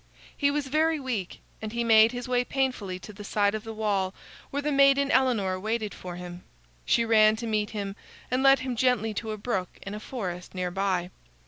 He was very weak, and he made his way painfully to the side of the wall where the maiden Elinor waited for him. She ran to meet him, and led him gently to a brook in a forest near by.